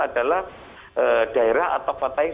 adalah daerah atau kota yang